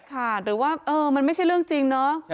ค่ะหรือว่ามันไม่ใช่เรื่องจริงเนาะ